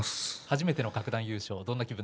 初めての各段優勝